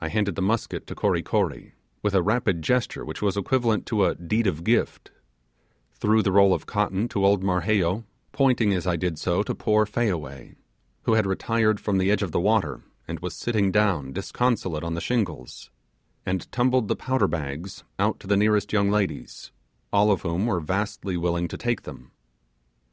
I handed the musket to Kory Kory, with a rapid gesture which was equivalent to a 'Deed of Gift'; threw the roll of cotton to old Marheyo, pointing as I did so to poor Fayaway, who had retired from the edge of the water and was sitting down disconsolate on the shingles; and tumbled the powder bags out to the nearest young ladies, all of whom were vastly willing to take them.